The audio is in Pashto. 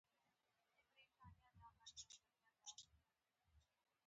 عامه نظم ګډوډولو سبب شي.